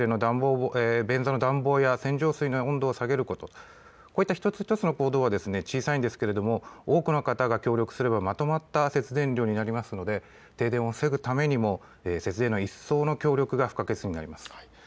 便座の暖房や洗浄水の温度を下げること、こういった一つ一つの行動が小さいですが多くの方が協力すればまとまった節電量になりますので停電を防ぐためにも節電の一層の協力が不可欠になります。